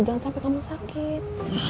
jangan sampai kamu sakit